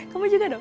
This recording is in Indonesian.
kamu juga dong